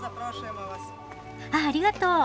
あっありがとう。